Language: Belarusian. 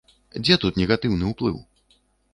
Дзе тут негатыўны ўплыў?